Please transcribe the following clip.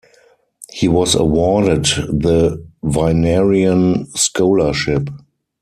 He was awarded the Vinerian Scholarship.